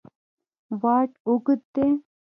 واټ اوږد دی.